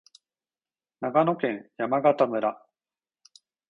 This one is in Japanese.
長野県山形村